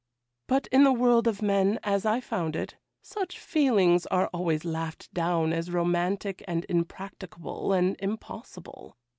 But in the world of men, as I found it, such feelings are always laughed down as romantic and impracticable and impossible.